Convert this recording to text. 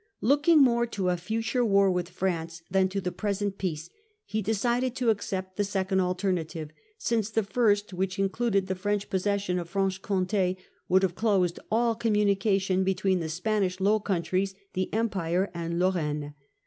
Looking more to a future war with France than to the present peace, he decided to accept the second ' alternative/ since the first, which included the French possession of Franche Comte, would have closed all communication between the Spanish Low Countries, the Empire, and Lorraine.